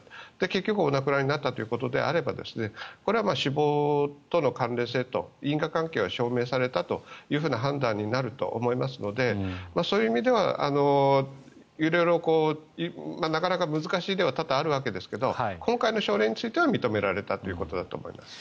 結局お亡くなりになったということであればこれは死亡との関連性と因果関係は証明されたという判断になると思いますのでそういう意味では色々、なかなか難しい例は多々あるわけですが今回の症例については認められたということだと思います。